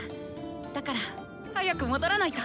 だから早く戻らないと！